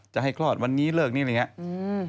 จะให้คลอดวันนี้เลิกนี้อะไรอย่างนี้